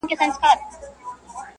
زه د غم تخم کرمه او ژوندی پر دنیا یمه،